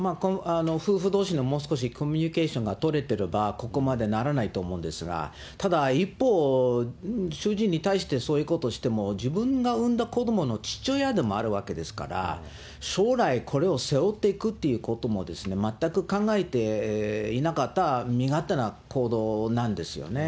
夫婦どうしのもう少しコミュニケーションが取れてれば、ここまでならないと思うんですが、ただ、一方、主人に対してそういうことをしても、自分が産んだ子どもの父親でもあるわけですから、将来、これを背負っていくということも全く考えていなかった身勝手な行動なんですよね。